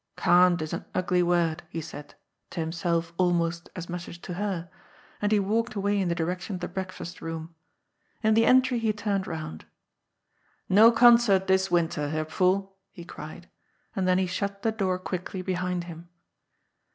^^^ Can't ' is an ugly word," he said, to himself almost as much as to her, and he walked away in the direction of the breakfast*room. In the entry he turned round. ^'ISTo concert this winter, Herr Pf uhl 1 " he cried, and then he shut the door quickly behind him.